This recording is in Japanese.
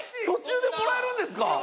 途中でもらえるんですか？